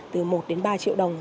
từ một đến ba triệu đồng